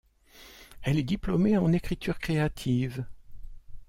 Elle est diplômée en écriture créative.